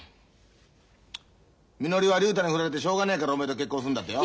みのりは竜太に振られてしょうがねえからおめえと結婚すんだってよ。